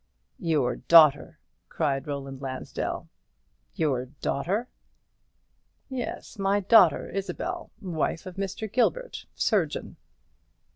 "Your daughter!" cried Roland Lansdell. "Your daughter?" "Yes, my daughter Isabel, wife of Mr. Gilbert, surgeon."